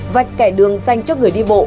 vạch kẻ đường dành cho người đi bộ